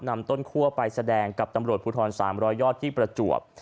นำต้นคั่วไปแสดงกับตำรวจภูทร๓๐๐ยอดที่ประจวบ